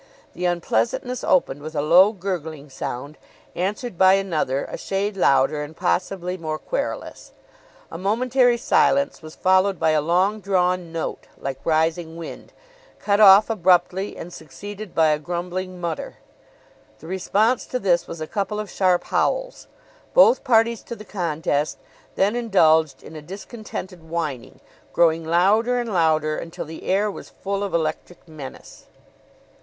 The unpleasantness opened with a low gurgling sound, answered by another a shade louder and possibly more querulous. A momentary silence was followed by a long drawn note, like rising wind, cut off abruptly and succeeded by a grumbling mutter. The response to this was a couple of sharp howls. Both parties to the contest then indulged in a discontented whining, growing louder and louder until the air was full of electric menace.